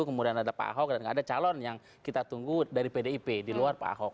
kemudian ada pak ahok dan ada calon yang kita tunggu dari pdip di luar pak ahok